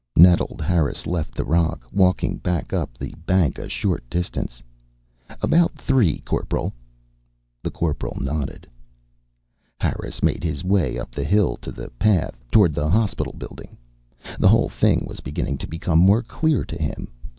Nettled, Harris left the rock, walking back up the bank a short distance. "About three, Corporal?" The Corporal nodded. Harris made his way up the hill, to the path, toward the hospital building. The whole thing was beginning to become more clear to him.